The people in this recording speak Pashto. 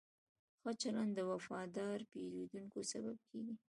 ښه چلند د وفادار پیرودونکو سبب کېږي.